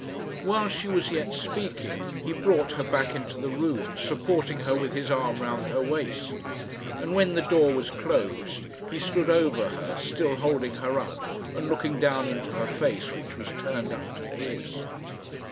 While she was yet speaking, he brought her back into the room, supporting her with his arm round her waist; and when the door was closed he stood over her still holding her up, and looking down into her face, which was turned up to his.